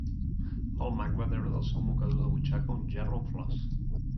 El mag va treure del seu mocador de butxaca un gerro amb flors.